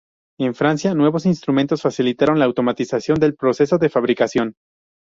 En Francia, nuevos instrumentos facilitaron la automatización del proceso de fabricación.